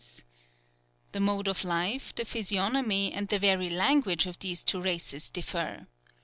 The mode of life, the physiognomy, and the very language of these two races differ.